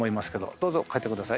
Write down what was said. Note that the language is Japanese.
どうぞ嗅いでください。